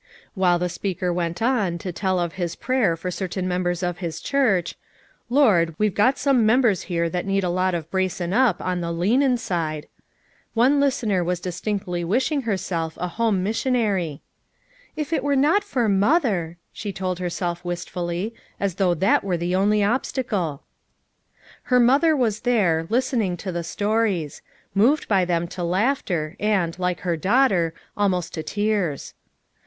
While the speaker went on to tell of his prayer for certain members of his church: " 'Lord, we've got some members here that need a lot of bracin' up on the leanin' side,' " one listener was distinctly wishing herself a borne missionary. "If it were not for Mother/' she told herself wistfully; as though that were the only obstacle ! Her mother was there, listening to the sto ries; moved by them to laughter and, like her daughter, almost to tears.